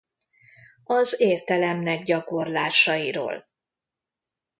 Az értelemnek gyakorlásairól.